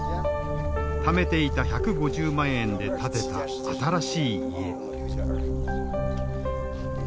ためていた１５０万円で建てた新しい家。